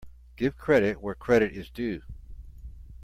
Give credit where credit is due.